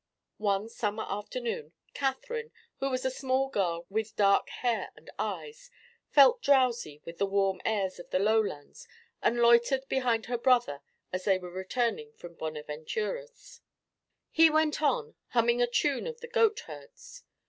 One summer afternoon Catherine, who was a small girl with dark hair and eyes, felt drowsy with the warm airs of the lowlands and loitered behind her brother as they were returning from Bonaventura's. He went on, humming a tune of the goatherds.